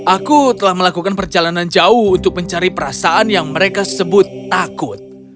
aku telah melakukan perjalanan jauh untuk mencari perasaan yang mereka sebut takut